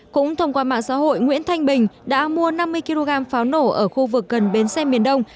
cũng thông qua mạng xã hội nguyễn thanh bình đã mua năm mươi kg pháo nổ ở khu vực gần bến xe miền đông